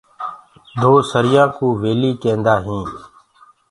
دوسريآ ڪوُ ويلي ڪيندآ هينٚ۔